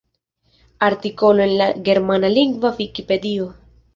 Artikolo en la Germanlingva vikipedio.